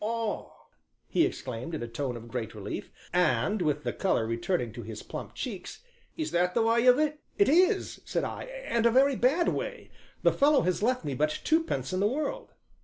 "Ah!" he exclaimed, in a tone of great relief, and with the color returning to his plump cheeks, "is that the way of it?" "It is," said I, "and a very bad way; the fellow has left me but twopence in the world."